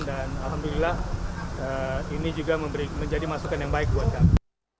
dan alhamdulillah ini juga menjadi masukan yang baik buat kami